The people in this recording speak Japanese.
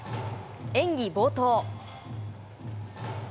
演技冒頭。